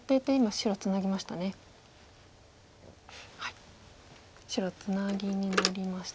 白ツナギになりました。